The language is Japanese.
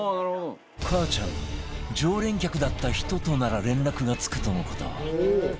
かあちゃんの常連客だった人となら連絡がつくとの事